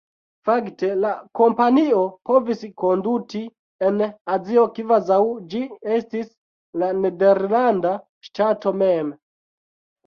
Fakte la kompanio povis konduti en Azio kvazaŭ ĝi estis la nederlanda ŝtato mem.